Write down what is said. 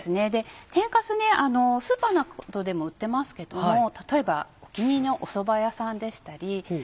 天かすスーパーなどでも売ってますけど例えばお気に入りのおそば屋さんでしたり。